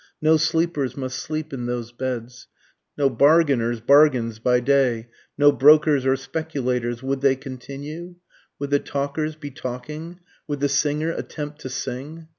no sleepers must sleep in those beds, No bargainers' bargains by day no brokers or speculators would they continue? Would the talkers be talking? would the singer attempt to sing?